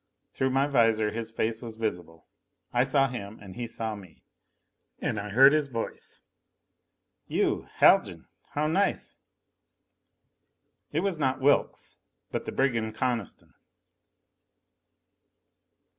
Through my visor his face was visible. I saw him and he saw me. And I heard his voice: "You, Haljan. How nice!" It was not Wilks, but the brigand Coniston.